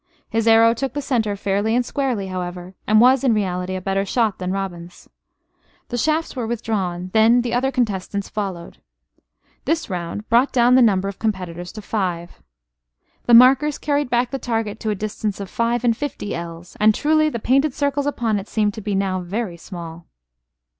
His arrow took the center fairly and squarely, however; and was in reality a better shot than Robin's. The shafts were withdrawn; then the other contestants followed. This round brought down the number of competitors to five. The markers carried back the target to a distance of five and fifty ells; and truly the painted circles upon it seemed to be now very small.